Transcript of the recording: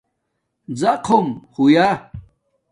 ڎاخم ہویا